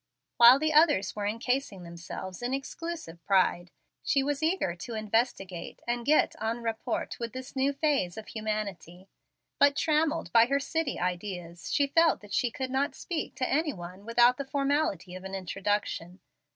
While the others were incasing themselves in exclusive pride, she was eager to investigate and get en rapport with this new phase of humanity. But trammailed by her city ideas, she felt that she could not speak to any one without the formality of an introduction.